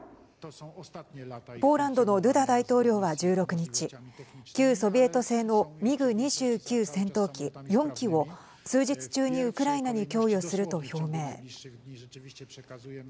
ポーランドのドゥダ大統領は１６日旧ソビエト製のミグ２９戦闘機４機を数日中にウクライナに供与すると表明。